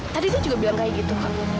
tadi dia juga bilang kayak gitu